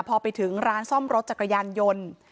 พอไปถึงร้านซ่อมรถจักรยานยนต์